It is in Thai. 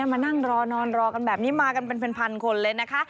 มานั่งรอนอนรอกันแบบนี้มากันเป็นพันคนเลยนะคะ